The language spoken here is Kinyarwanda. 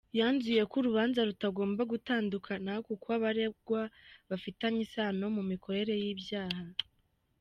Yanzuye ko urubanza rutagomba gutandukana kuko abaregwa bafitanye isano mu mikorere y’ibyaha.